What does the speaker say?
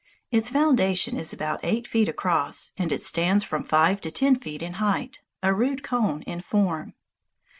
Its foundation is about eight feet across, and it stands from five to ten feet in height, a rude cone in form.